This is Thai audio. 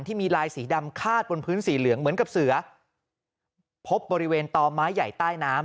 ที่มีลายสีดำคาดบนพื้นสีเหลืองเหมือนกับเสือพบบริเวณต่อไม้ใหญ่ใต้น้ำ